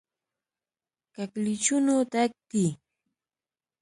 کږلېچونو ډک دی.